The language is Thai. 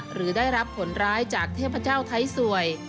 หรือได้รับผลร้ายจากเทพเจ้าไทยสวย